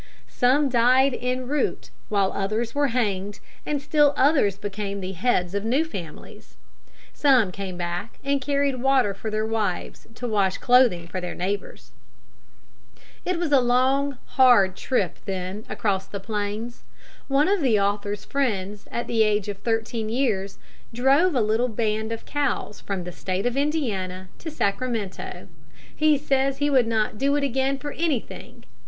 Some died en route, others were hanged, and still others became the heads of new families. Some came back and carried water for their wives to wash clothing for their neighbors. [Illustration: SOME CAME BACK AND CARRIED WATER FOR THEIR WIVES TO WASH CLOTHING.] It was a long hard trip then across the plains. One of the author's friends at the age of thirteen years drove a little band of cows from the State of Indiana to Sacramento. He says he would not do it again for anything.